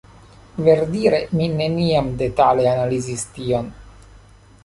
Verdire mi neniam detale analizis tion.